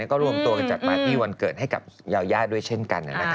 ก็รวมตัวกันจัดปาร์ตี้วันเกิดให้กับยายาด้วยเช่นกัน